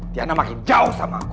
tiana makin jauh sama aku